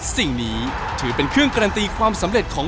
สิ่งนี้ถือเป็นเครื่องการันตีความสำเร็จของ